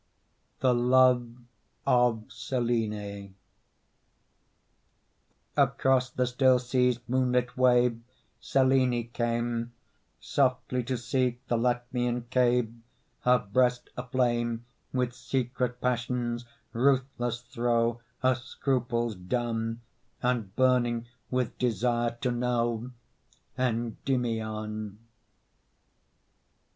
THE LOVE OF SELENE Across the still sea's moonlit wave Selene came Softly to seek the Latmian cave, Her breast aflame With secret passion's ruthless throe, Her scruples done, And burning with desire to know Endymion.